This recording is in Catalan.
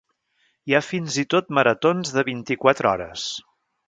Hi ha fins i tot maratons de vint-i-quatre hores.